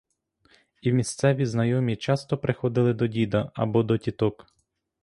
І місцеві знайомі часто приходили до діда або до тіток.